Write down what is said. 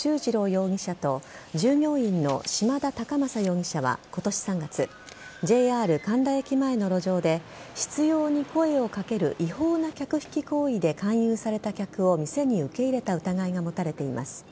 容疑者と従業員の島田隆正容疑者は今年３月ＪＲ神田駅前の路上で執拗に声をかける違法な客引き行為で勧誘された客を店に受け入れた疑いが持たれています。